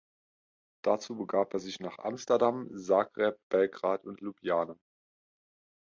Dazu begab er sich nach Amsterdam, Zagreb, Belgrad und Ljubljana.